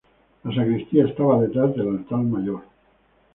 La sacristía estaba detrás del altar mayor.